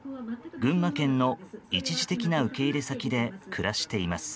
群馬県の一時的な受け入れ先で暮らしています。